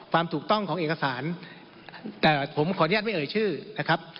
ความถูกต้องของเอกสารแต่ผมขออนุญาตไม่เอ่ยชื่อนะครับ